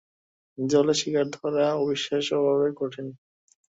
জলে শিকার ধরা অবিশ্বাস্যভাবে কঠিন।